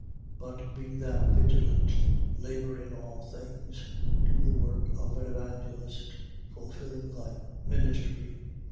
4:5. But be thou vigilant, labour in all things, do the work of an evangelist, fulfil thy ministry.